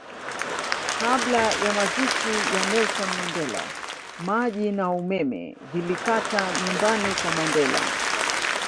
Kabla ya mazishi ya Nelson Mandela maji na umeme vilikata nyumbani kwa Mandela